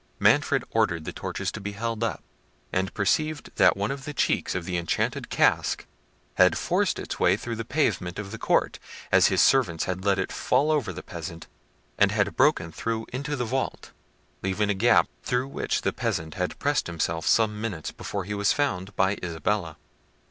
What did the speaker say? Manfred ordered the torches to be held up, and perceived that one of the cheeks of the enchanted casque had forced its way through the pavement of the court, as his servants had let it fall over the peasant, and had broken through into the vault, leaving a gap, through which the peasant had pressed himself some minutes before he was found by Isabella.